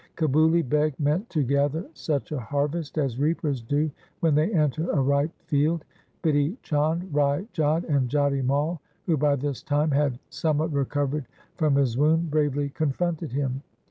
Kabuli Beg meant to gather such a harvest as reapers do when they enter a ripe field. Bidhi Chand, Rai Jodh, and Jati Mai, who by this time had somewhat recovered from his wound, bravely confronted him.